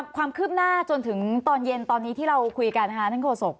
ความคืบหน้าจนถึงตอนเย็นตอนนี้ที่เราคุยกันนะคะท่านโฆษก